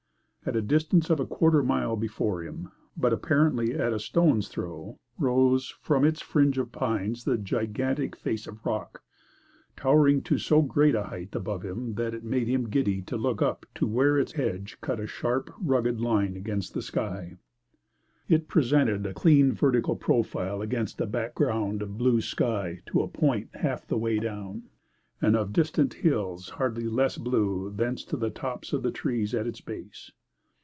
At a distance of a quarter mile before him, but apparently at a stone's throw, rose from its fringe of pines the gigantic face of rock, towering to so great a height above him that it made him giddy to look up to where its edge cut a sharp, rugged line against the sky. At some distance away to his right it presented a clean, vertical profile against a background of blue sky to a point half the way down, and of distant hills hardly less blue, thence to the tops of the trees at its base.